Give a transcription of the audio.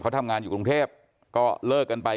ทำงานอยู่กรุงเทพก็เลิกกันไป